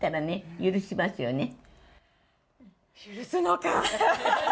許すのか。